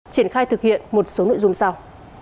triển khai thực hiện một số nội dung sau